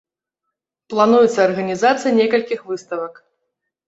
Плануецца арганізацыя некалькіх выставак.